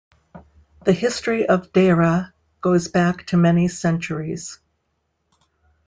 The history of dayereh goes back to many centuries.